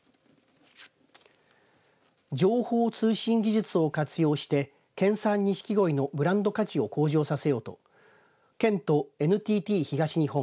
情報通信技術を活用して県産ニシキゴイのブランド価値を向上させようと県とＮＴＴ東日本